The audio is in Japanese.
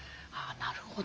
なるほど。